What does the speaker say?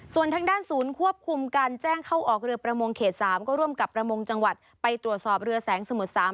ส่วนทางด้านศูนย์ควบคุมการแจ้งเข้าออกเรือประมงเขต๓ก็ร่วมกับประมงจังหวัดไปตรวจสอบเรือแสงสมุทรสาม